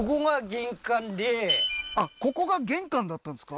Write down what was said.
はいあっここが玄関だったんですか？